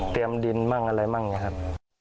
เตรียมดินมั่งอะไรมั่งอย่างนี้ครับ